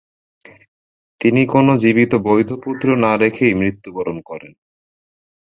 তিনি কোন জীবিত বৈধ পুত্র না রেখেই মৃত্যুবরণ করেন।